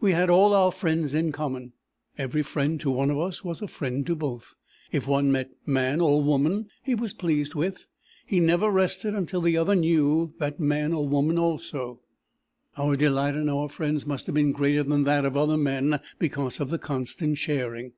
"We had all our friends in common. Every friend to one of us was a friend to both. If one met man or woman he was pleased with, he never rested until the other knew that man or woman also. Our delight in our friends must have been greater than that of other men, because of the constant sharing.